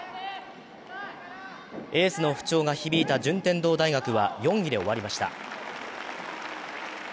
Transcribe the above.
エースの不調が響いた順天堂大学は４位で終わりました。